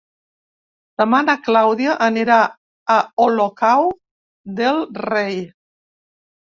Demà na Clàudia anirà a Olocau del Rei.